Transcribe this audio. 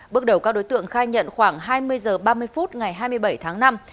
bước đầu các đối tượng khai nhận khoảng hai mươi h ba mươi phút ngày hai mươi bảy tháng năm